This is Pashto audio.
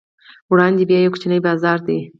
وړاندې بیا یو کوچنی بازار دی.